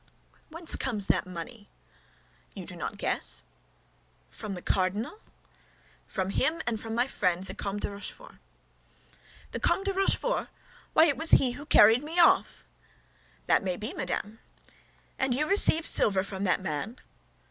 "Whence comes that money?" "You do not guess?" "From the cardinal?" "From him, and from my friend the Comte de Rochefort." "The Comte de Rochefort! Why, it was he who carried me off!" "That may be, madame!" "And you receive silver from that man?"